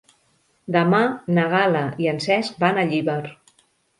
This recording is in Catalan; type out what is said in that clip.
Demà na Gal·la i en Cesc van a Llíber.